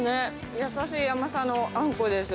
やさしい甘さのあんこです。